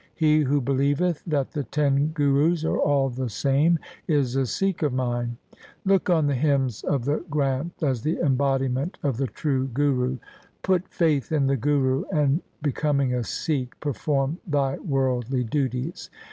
He who believeth that the ten Gurus are all the same is a Sikh of mine. Look on the hymns of the Granth as the embodiment of the true Guru. Put faith in the Guru, and becoming a Sikh perform thy worldly duties.